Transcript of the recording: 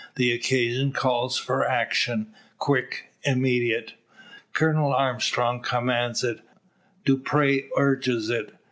The occasion calls for action, quick, immediate. Colonel Armstrong commands it; Dupre urges it.